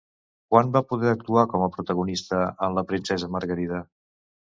Quan va poder actuar com a protagonista en La princesa Margarida?